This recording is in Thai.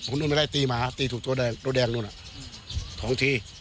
คุณนุนไม่ได้ตีหมาตีถึงตัวแดงนั่น๒ที